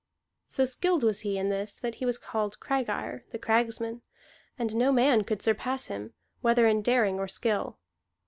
So skilled was he in this that he was called Craggeir, the Cragsman; and no man could surpass him, whether in daring or skill.